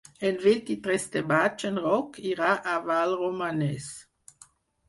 El vint-i-tres de maig en Roc irà a Vallromanes.